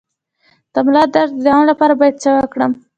د ملا درد د دوام لپاره باید څه وکړم؟